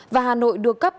và hà nội được cấp